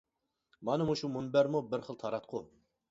مانا مۇشۇ مۇنبەرمۇ بىر خىل تاراتقۇ.